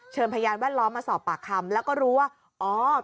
เชิญพยานวัดล้อมมาสอบปากคำแล้วก็รู้ว่า